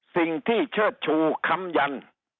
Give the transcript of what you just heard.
สิ่งที่เชิดชูคำยัน